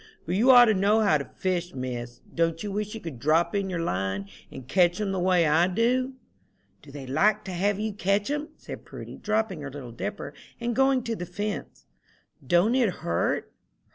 But you ought to know how to fish, Miss. Don't you wish you could drop in your line, and catch 'em the way I do?" "Do they like to have you catch 'em?" said Prudy, dropping her little dipper, and going to the fence; "don't it hurt?"